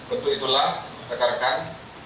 untuk itulah rekan rekan